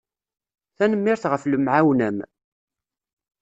Tanemmirt ɣef lemɛawna-m.